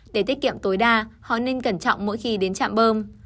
để tiết kiệm tối đa họ nên cẩn trọng mỗi khi đến trạm bơm